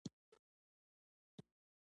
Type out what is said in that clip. چې د جنګ اور یې بل کړ په خپله مخه ولاړ.